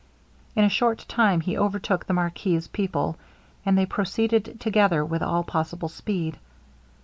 In a short time he overtook the marquis's people, and they proceeded together with all possible speed.